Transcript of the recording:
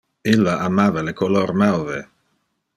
Illa amava le color mauve.